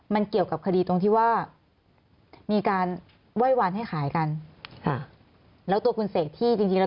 ยังไม่ได้ขายมีคนซื้อไปแล้วมีคนซื้อไปแล้ว